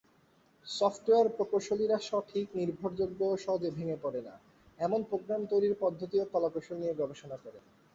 Software প্রকৌশলীরা সঠিক, নির্ভরযোগ্য ও সহজে ভেঙ্গে পড়ে না, এমন প্রোগ্রাম তৈরির পদ্ধতি ও কলাকৌশল নিয়ে গবেষণা করেন।